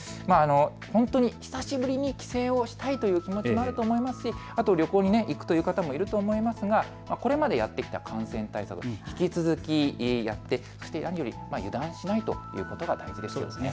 本当に久しぶりに帰省をしたいという気持ちもあると思いますし旅行に行くという方もいると思いますがこれまでやってきた感染対策、引き続きやって、何より油断しないということが大事ですよね。